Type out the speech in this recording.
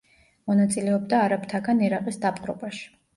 მონაწილეობდა არაბთაგან ერაყის დაპყრობაში.